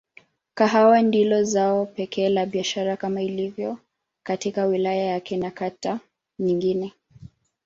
Kahawa ndilo zao pekee la biashara kama ilivyo katika wilaya yake na kata nyingine.